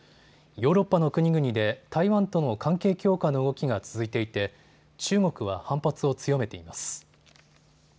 ヨーロッパの国々で台湾との関係強化の動きが続いていて中国は反発を強めています。